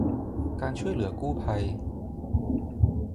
การช่วยเหลือกู้ภัย